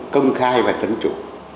công khai và dân chủ